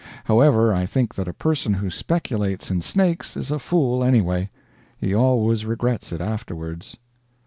However, I think that a person who speculates in snakes is a fool, anyway. He always regrets it afterwards.